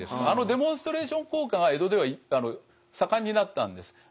あのデモンストレーション効果が江戸では盛んになったんです。